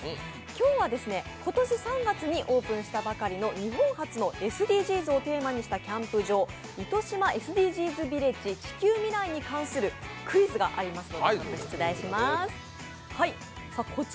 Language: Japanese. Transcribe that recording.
今日は今年３月にオープンしたばかりの日本初のＳＤＧｓをテーマにしたキャンプ場ＩＴＯＳＨＩＭＡＳＤＧｓＶｉｌｌａｇｅ地球ＭＩＲＡＩに関するクイズがあります。